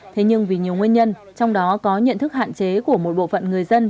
thế nhưng vì nhiều nguyên nhân trong đó có nhận thức hạn chế của một bộ phận người dân